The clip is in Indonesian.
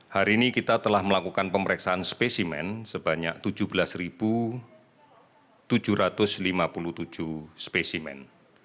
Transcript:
hari ini kita telah melakukan pemeriksaan spesimen sebanyak tujuh belas tujuh ratus lima puluh tujuh spesimen